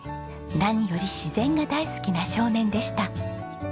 何より自然が大好きな少年でした。